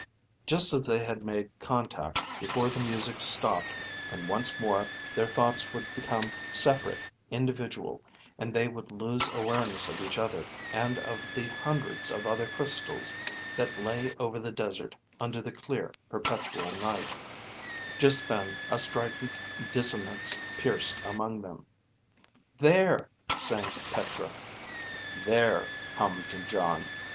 _ Just as they had made contact, before the music stopped (and once more their thoughts would become separate, individual, and they would lose awareness of each other and of the hundreds of other crystals that lay over the desert, under the clear perpetual night) just then a strident dissonance pierced among them. There, sang Petra. There, hummed Jon.